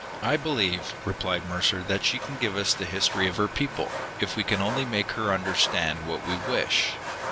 "I believe," replied Mercer, "that she can give us the history of her people, if we can only make her understand what we wish.